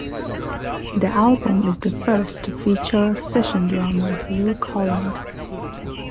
The album is the first to feature session drummer Luke Holland.